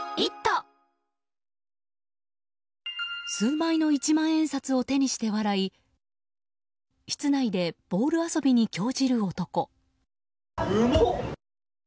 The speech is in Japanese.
数枚の一万円札を手にして笑い室内でボール遊びに興じる男。